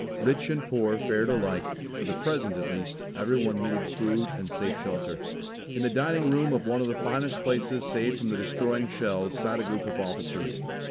Rich and poor fared alike; for the present, at least, everyone needed food and safe shelter. In the dining room of one of the finest places saved from the destroying shells sat a group of officers.